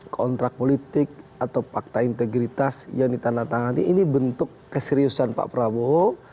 kontrak politik atau fakta integritas yang ditandatangani ini bentuk keseriusan pak prabowo